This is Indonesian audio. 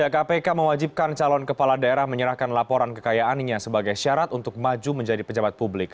kpk mewajibkan calon kepala daerah menyerahkan laporan kekayaannya sebagai syarat untuk maju menjadi pejabat publik